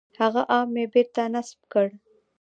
هغه اپ مې بېرته نصب کړ.